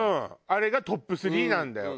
あれがトップ３なんだよ。